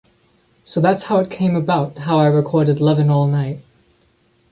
So, that's how it came about how I recorded "Lovin All Night".